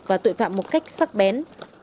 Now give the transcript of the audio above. và tội phạm một cách sắc bén